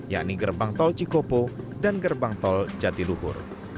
yakni gerbang tol cikopo dan gerbang tol jatiluhur